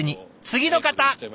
次の方！